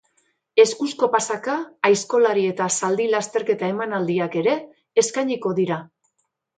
Eskuzko pasaka, aizkolari eta zaldi lasterketa emanaldiak ere eskainiko dira.